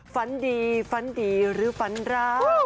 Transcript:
ฝันดีฝันดีหรือฝันร้าย